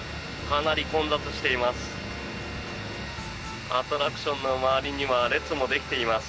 かなり混雑しています。